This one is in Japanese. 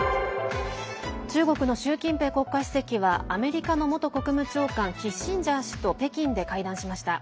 中国の習近平国家主席はアメリカの元国務長官キッシンジャー氏と北京で会談しました。